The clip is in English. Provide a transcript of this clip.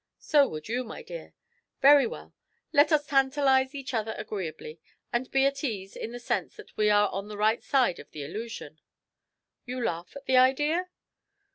So would you, my dear. Very well, let us tantalise each other agreeably, and be at ease in the sense that we are on the right side of the illusion.' You laugh at the idea?"